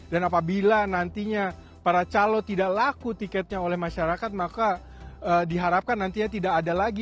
dan apabila nantinya para calon tidak laku tiketnya oleh masyarakat maka diharapkan nantinya tidak ada lagi